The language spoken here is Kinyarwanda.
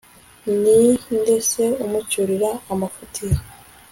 ni nde se umucyurira amafuti ye